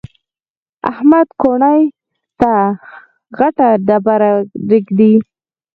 احمد کونې ته غټه ډبره ږدي.